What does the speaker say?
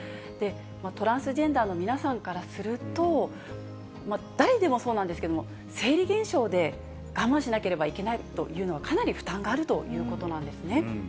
トランスジェンダーの皆さんからすると、誰でもそうなんですけれども、生理現象で我慢しなければいけないということは、かなり負担があるということなんですね。